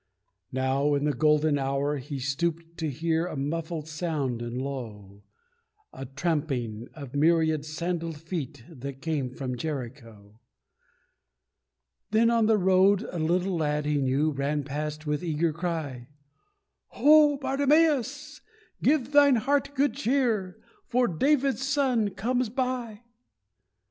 Now, in the golden hour, he stooped to hear A muffled sound and low, The tramping of a myriad sandalled feet That came from Jericho. Then on the road a little lad he knew Ran past, with eager cry, "Ho, Bartimeus! Give thine heart good cheer, For David's Son comes by!